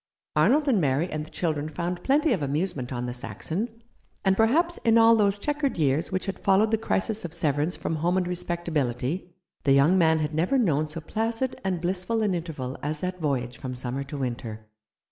Arnold and Mary and the children found plenty of amusement on the Saxon; and perhaps in all those chequered years which had followed the crisis of severance from home and respectability the young man had never known so placid and blissful an interval as that voyage from summer to winter.